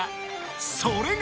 ［それが］